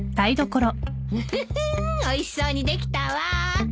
ウフフおいしそうにできたわ。